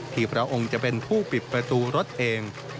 พระองค์จะเป็นผู้ปิดประตูรถเอง